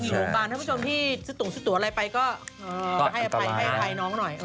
ถ้าผู้ชมที่สุดต่วอะไรไปก็ให้อภัยน้องหน่อย